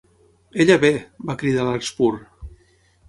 "Ella ve!", va cridar Larkspur.